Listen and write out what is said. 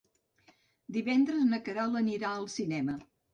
Divendres na Queralt anirà al cinema.